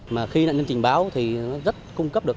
mà khi nạn nhân trình báo thì rất cung cấp được